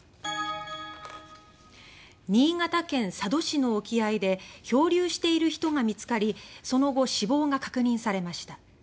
新潟県佐渡市の沖合で漂流している人が見つかりその後、死亡が確認されました。